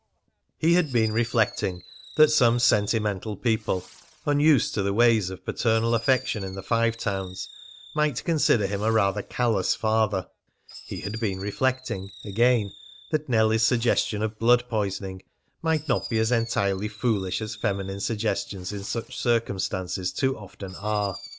He had been reflecting that some sentimental people, unused to the ways of paternal affection in the Five Towns, might consider him a rather callous father; he had been reflecting, again, that Nellie's suggestion of blood poisoning might not be as entirely foolish as feminine suggestions in such circumstances too often are.